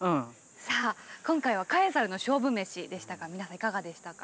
さあ今回はカエサルの勝負メシでしたが皆さんいかがでしたか？